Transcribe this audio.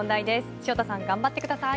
潮田さん頑張ってください。